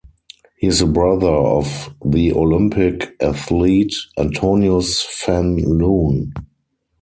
He is the brother of the Olympic athlete Antonius van Loon.